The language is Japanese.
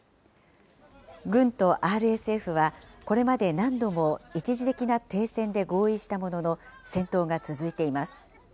軍とＲＳＦは、これまで何度も一時的な停戦で合意したものの、戦闘が続いています。